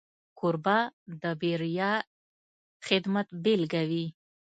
کوربه د بېریا خدمت بيلګه وي.